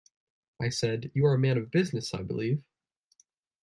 I said, 'You are a man of business, I believe?'